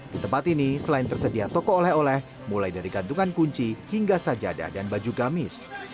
di tempat ini selain tersedia toko oleh oleh mulai dari gantungan kunci hingga sajada dan baju gamis